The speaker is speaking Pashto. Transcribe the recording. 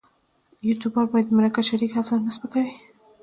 یوټوبر باید د مرکه شریک هڅوي نه سپکوي.